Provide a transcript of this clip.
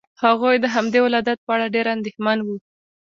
هغوی د همدې ولادت په اړه ډېر اندېښمن وو.